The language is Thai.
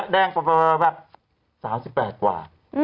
แด้งประเภท๓๘กว่า